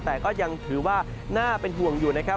แต่ก็ยังถือว่าน่าเป็นห่วงอยู่นะครับ